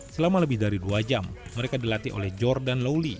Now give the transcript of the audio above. selama lebih dari dua jam mereka dilatih oleh jordan laulie